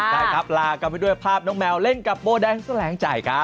ใช่ครับลากันไปด้วยภาพน้องแมวเล่นกับโบแดงแสลงใจครับ